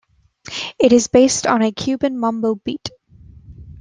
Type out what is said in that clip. It is based on a Cuban mambo beat.